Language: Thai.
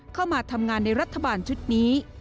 เข้ามาทำงานในรัฐบาลชุดนี้